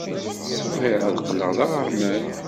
Bɣiɣ ad qqleɣ d aɣerman.